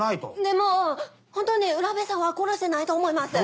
でもホントに浦辺さんは殺してないと思います。